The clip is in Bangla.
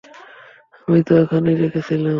আমি তো এখানেই রেখেছিলাম।